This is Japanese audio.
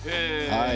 はい。